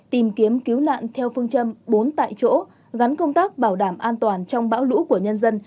tìm kiếm cứu nạn theo phương châm bốn tại chỗ gắn công tác bảo đảm an toàn trong bão lũ của nhân dân